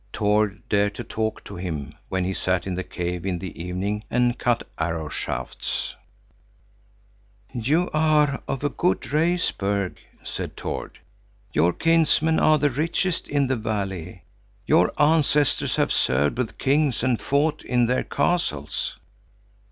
Tord dared to talk to him when he sat in the cave in the evening and cut arrow shafts. "You are of a good race, Berg," said Tord. "Your kinsmen are the richest in the valley. Your ancestors have served with kings and fought in their castles."